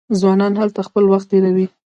ځوانان هلته خپل وخت تیروي.